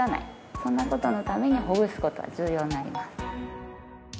そんな事のためにほぐす事は重要になります。